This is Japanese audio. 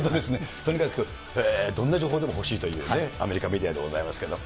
とにかくどんな情報でも欲しいというね、アメリカメディアでございますけれども。